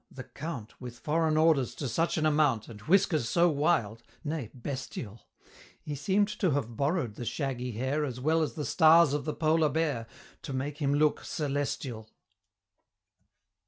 the Count With Foreign Orders to such an amount, And whiskers so wild nay, bestial; He seem'd to have borrow'd the shaggy hair As well as the Stars of the Polar Bear, To make him look celestial!